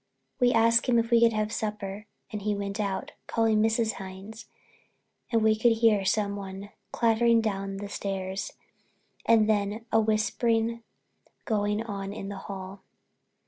We asked him if we could have supper and he went out, calling to Mrs. Hines, and we could hear someone clattering down the stairs and then a whispering going on in the hall.